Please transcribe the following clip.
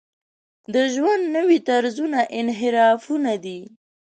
د ژوند نوي طرزونه انحرافونه دي.